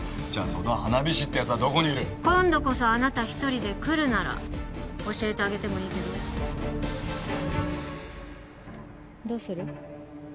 その花火師ってやつはどこにいる今度こそあなた一人で来るなら教えてあげてもいいけどどうする？